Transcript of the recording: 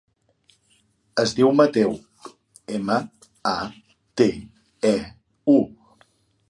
Es diu Mateu: ema, a, te, e, u.